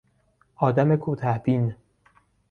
آدم کوته بین